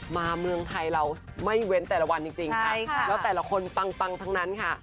เมืองไทยเราไม่เว้นแต่ละวันจริงค่ะแล้วแต่ละคนปังทั้งนั้นค่ะ